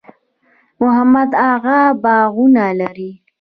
محمد اغه باغونه لري؟